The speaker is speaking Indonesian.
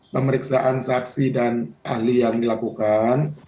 pemeriksaan saksi dan ahli yang dilakukan